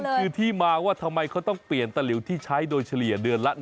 คือที่มาว่าทำไมเขาต้องเปลี่ยนตะหลิวที่ใช้โดยเฉลี่ยเดือนละ๑